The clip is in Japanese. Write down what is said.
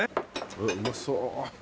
うまそう。